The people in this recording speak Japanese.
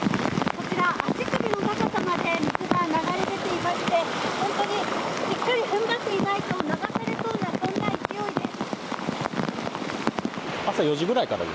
こちら、足首の高さまで水が流れ出ていましてしっかり踏ん張っていないと流れてしまいそうな勢いです。